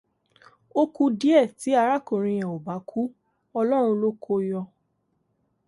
Ó ku díẹ̀ tí arákùnrin yẹn ò bá kú, ọlọ́run ló ko yọ.